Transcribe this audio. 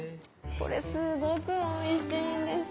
これすごくおいしいんですよ。